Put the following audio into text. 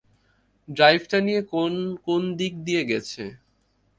ড্রাইভটা নিয়ে কোন কোন দিক দিয়ে গেছে।